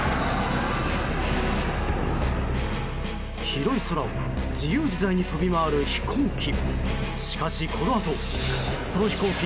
広い空を自由自在に飛び回る飛行機。